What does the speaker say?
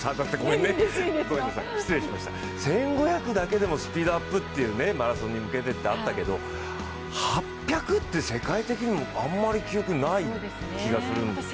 １５００だけでもスピードアップ、マラソンに向けてってあったけど８００って世界的にもあんまり記憶ない気がするんです。